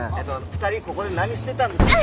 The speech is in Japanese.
２人ここで何してたんですか？